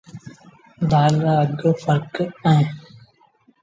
دآل رآ اگھ ڦرڪ اهيݩ ۔